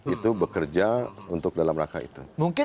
itu bekerja untuk dalam rangka itu